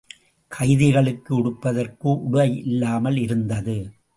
கைதிகளுக்கு உடுப்பதற்கு உடை இல்லாமல் இருந்தது.